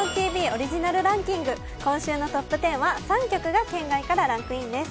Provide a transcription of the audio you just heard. オリジナルランキング、今週のトップ１０は３曲が圏外からランクインです。